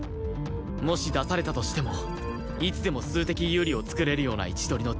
もし出されたとしてもいつでも数的有利を作れるような位置取りのディフェンス